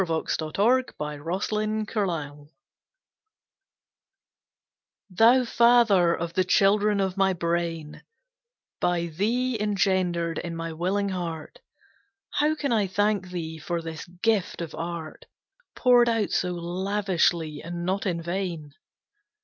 The Promise of the Morning Star Thou father of the children of my brain By thee engendered in my willing heart, How can I thank thee for this gift of art Poured out so lavishly, and not in vain.